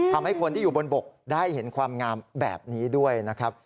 ทำให้คนที่อยู่บนบกได้เห็นความงามแบบนี้ด้วยนะครับ